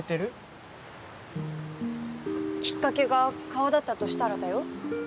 きっかけが顔だったとしたらだよ